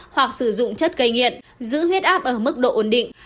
hoặc sử dụng chất gây nghiện giữ huyết áp ở mức độ ổn định